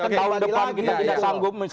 tahun depan kita tidak sanggup